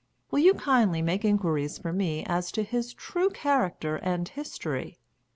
Will you kindly make inquiries for me as to his true character and history?